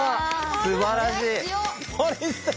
すばらしい。